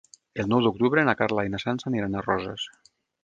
El nou d'octubre na Carla i na Sança aniran a Roses.